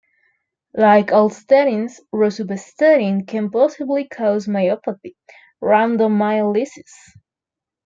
Like all statins, rosuvastatin can possibly cause myopathy, rhabdomyolysis.